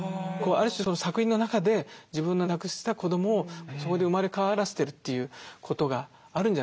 ある種作品の中で自分の亡くした子どもをそこで生まれ変わらせてるということがあるんじゃないかと思うんですね。